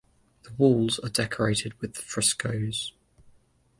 The walls are decorated with frescoes.